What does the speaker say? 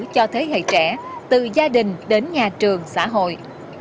khi hãy trẻ từ gia đình đến nhà trường xã hội